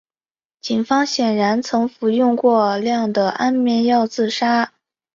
警方显然曾服用过量的安眠药自杀。